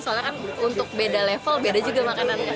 soalnya kan untuk beda level beda juga makanannya